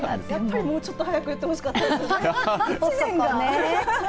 やっぱり、もうちょっと早く言ってほしかったですよね。